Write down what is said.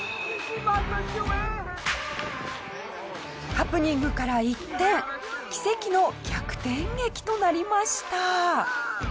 ハプニングから一転奇跡の逆転劇となりました。